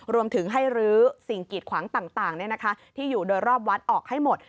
รวมถึงให้รื้อสิ่งกีดขวางต่างที่อยู่โดยรอบวัดออกให้หมด